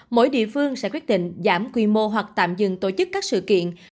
mỗi địa phương sẽ quyết định giảm quy mô hoặc tạm dừng tổ chức các sự kiện